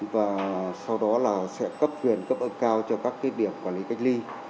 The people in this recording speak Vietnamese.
và sau đó là sẽ cấp quyền cấp ơn cao cho các cái điểm quản lý cất ly